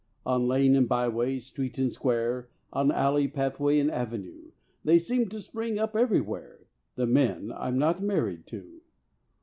On lane and byways, street and square, On alley, path and avenue, They seem to spring up everywhere The men I am not married to.